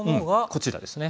こちらですね。